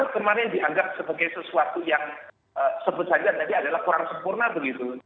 kemarin dianggap sebagai sesuatu yang sebut saja tadi adalah kurang sempurna begitu